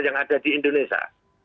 yang ada di indonesia